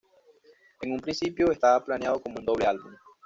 En un principio, estaba planeado como un doble álbum.